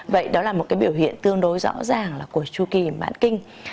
vậy đó là một biểu hiện tương đối rõ ràng của chu kỳ mạng kinh